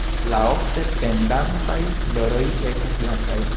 La ofte pendantaj floroj estas blankaj.